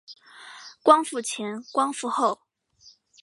光复前光复后